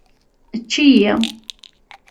Ečč-iyi!